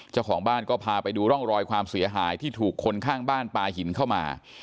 เจ้าของบ้านก็พาไปดูร่องรอยความเสียหายที่ถูกคนข้างบ้านปลาหินเข้ามา